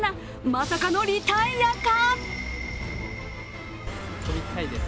まさかのリタイアか？